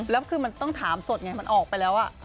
แล้วคือมันต้องถามสดไงมันออกไปแล้ว